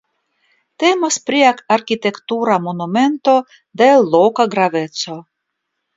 Temas pri arkitektura monumento de loka graveco.